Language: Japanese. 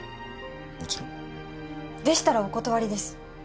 もちろんでしたらお断りです